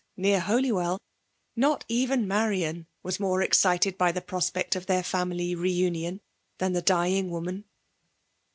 Mat Holywell, not even Marian wae more esc oted l^ the prospect of their family re union thw^ the d^ing woman.